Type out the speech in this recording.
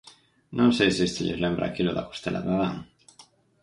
Non sei se isto lles lembra aquilo da costela de Adán?